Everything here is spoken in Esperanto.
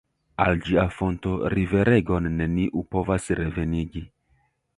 Al ĝia fonto riveregon neniu povas revenigi.